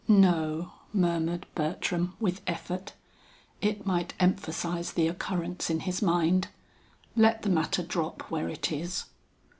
"No," murmured Bertram with effort, "it might emphasize the occurrence in his mind; let the matter drop where it is."